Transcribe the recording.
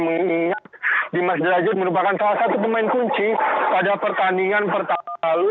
mengingat dimas derajat merupakan salah satu pemain kunci pada pertandingan pertama lalu